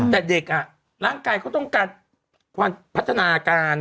แต่เด็กร่างกายเขาต้องการความพัฒนาการ